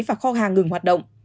và kho hàng ngừng hoạt động